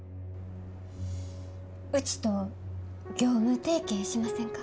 うちと業務提携しませんか？